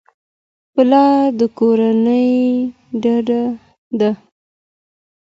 پلار د کورنۍ ډډه ده.